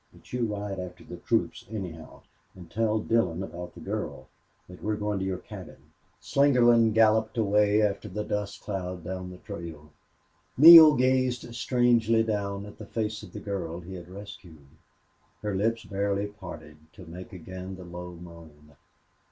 But you ride after the troops, anyhow, and tell Dillon about the girl that we're going to your cabin." Slingerland galloped away after the dust cloud down the trail. Neale gazed strangely down at the face of the girl he had rescued. Her lips barely parted to make again the low moan.